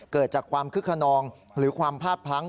เกิดจากความคึกขนองหรือความพลาดพลั้ง